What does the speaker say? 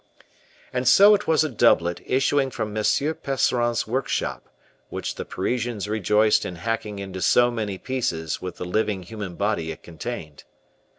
And so it was a doublet issuing from M. Percerin's workshop, which the Parisians rejoiced in hacking into so many pieces with the living human body it contained.